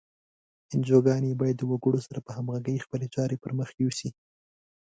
انجوګانې باید د وګړو سره په همغږۍ خپلې چارې پر مخ یوسي.